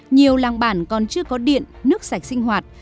nhiều làng bản còn chưa có điện nước sạch sinh hoạt